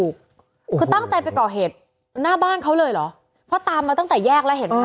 คือตั้งใจไปก่อเหตุหน้าบ้านเขาเลยเหรอเพราะตามมาตั้งแต่แยกแล้วเห็นไหมคะ